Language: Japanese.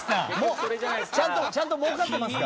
ちゃんと儲かってますか？